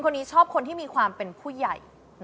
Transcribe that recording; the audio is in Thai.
คนนี้ชอบคนที่มีความเป็นผู้ใหญ่